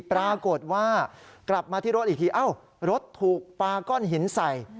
ปรากฏว่ากลับมาที่รถอีกทีเอ้ารถถูกปลาก้อนหินใส่